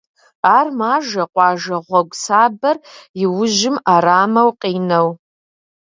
Ар мажэ къуажэ гьуэгу сабэр и ужьым ӏэрамэу къинэу.